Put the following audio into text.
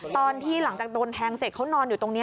ตอนที่หลังจากโดนแทงเสร็จเขานอนอยู่ตรงนี้